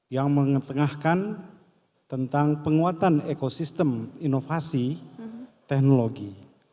yang mengetengahkan tentang penguatan ekosistem inovasi teknologi